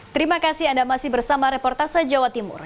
terima kasih anda masih bersama reportase jawa timur